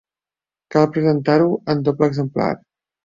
Cal presentar-ho en doble exemplar.